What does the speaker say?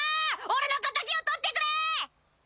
俺の敵をとってくれ！